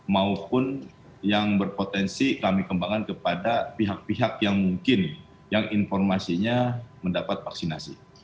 maupun yang berpotensi kami kembangkan kepada pihak pihak yang mungkin yang informasinya mendapat vaksinasi